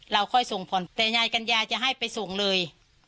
เราค่อยส่งผ่อนแต่ยายกัญญาจะให้ไปส่งเลย